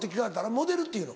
モデルって言うの？